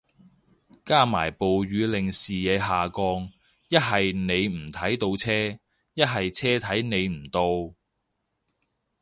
加埋暴雨令視野下降，一係你睇唔到車，一係車睇你唔到